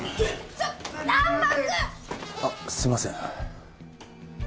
ちょっと難破君！あっすみません。